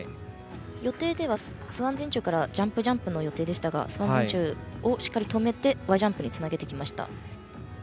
予定ではスワンジャンプからジャンプ、ジャンプの予定でしたがスワン前宙をしっかり止めて輪ジャンプにつなげました。